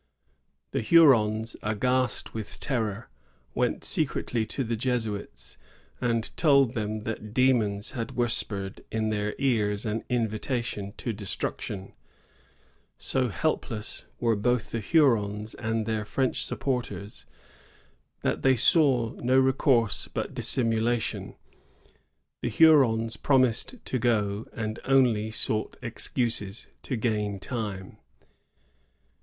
The Hurons, aghast with terror, went secretly to the Jesuits, and told them that demons had whispered in their ears an ^ See ''Jesuits in North America." 1653.] JESUIT BOLDNESS. 68 invitation to destruction. So helpless were both the Hurons and their French supporters, that they saw no recourse but dissimulation. The Hurons promised to gOy and only sought excuses to gain time.